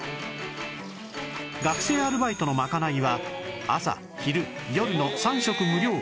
学生アルバイトのまかないは朝昼夜の３食無料